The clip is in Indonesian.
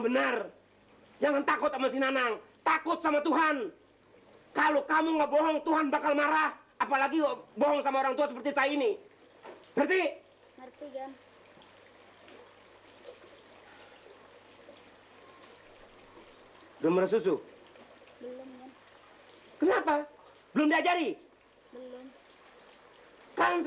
saya cuma memanikan sapi sama membersihkan kandang